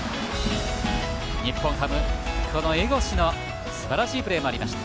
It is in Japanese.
日本ハム、江越のすばらしいプレーもありました。